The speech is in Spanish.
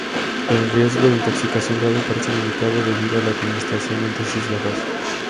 El riesgo de intoxicación grave parece limitado debido a la administración en dosis bajas.